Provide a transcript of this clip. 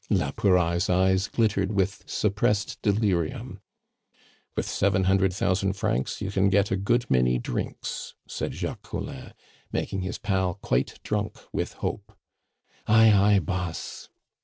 La Pouraille's eyes glittered with suppressed delirium. "With seven hundred thousand francs you can get a good many drinks," said Jacques Collin, making his pal quite drunk with hope. "Ay, ay, boss!"